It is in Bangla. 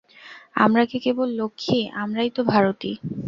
আমরা কি কেবল লক্ষ্মী, আমরাই তো ভারতী।